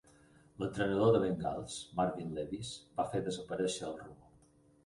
L'entrenador de Bengals, Marvin Lewis, va fer desaparèixer el rumor.